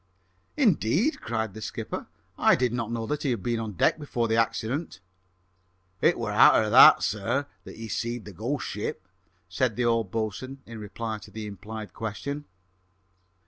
"Indeed?" cried the skipper. "I did not know he had been on deck before the accident." "It wore arter that, sir, that he seed the ghost ship," said the old boatswain in reply to the implied question.